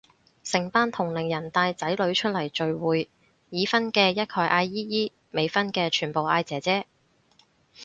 成班同齡人帶仔女出嚟聚會，已婚嘅一概嗌姨姨，未婚嘅全部嗌姐姐